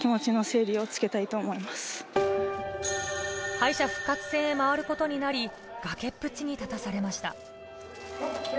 敗者復活戦へ回ることになり崖っぷちに立たされました。